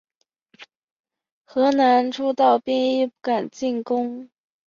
河南诸道兵亦不敢进攻。